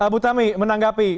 bu tami menanggapi